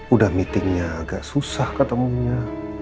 udah meetingnya agak susah ketemunya